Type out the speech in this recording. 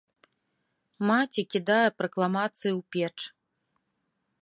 Маці кідае пракламацыі ў печ.